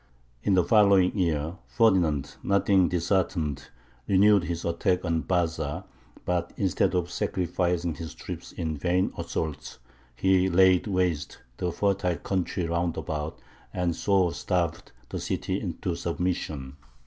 In the following year Ferdinand, nothing disheartened, renewed his attack on Baza; but instead of sacrificing his troops in vain assaults, he laid waste the fertile country round about, and so starved the city into submission.